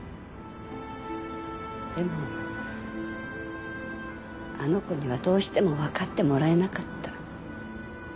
でもあの子にはどうしてもわかってもらえなかった。